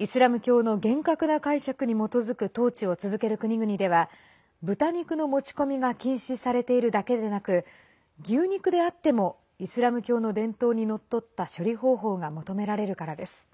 イスラム教の厳格な解釈に基づく統治を続ける国々では豚肉の持ち込みが禁止されているだけでなく牛肉であってもイスラム教の伝統にのっとった処理方法が求められるからです。